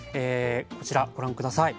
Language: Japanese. こちらご覧下さい。